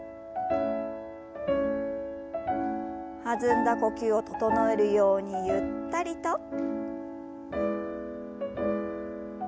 弾んだ呼吸を整えるようにゆったりと。